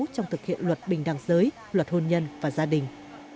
trong thực hiện luật bình đẳng giới luật hôn nhân và gia đình